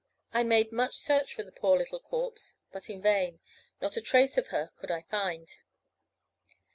I made much search for the poor little corpse; but in vain; not a trace of her could I find.